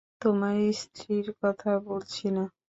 তোমার স্ত্রীর কথা বলছি না।